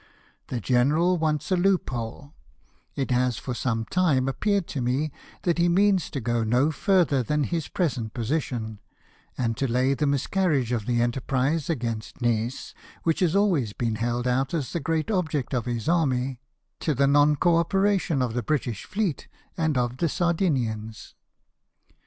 The general wants a loophole ; it has for some time appeared to me that he means to go no farther than his present position, and to lay the miscarriage of the enterprise against Nice, which has always been held out as the great object of his army, to the non co operation of the British fleet and of the Sardinians."